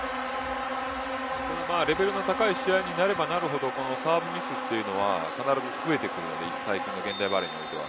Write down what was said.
レベルの高い試合になればなるほどサーブミスというのは必ず増えてくるので現代バレーにおいては。